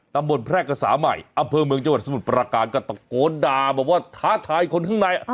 แพร่กษาใหม่อำเภอเมืองจังหวัดสมุทรประการก็ตะโกนด่าบอกว่าท้าทายคนข้างใน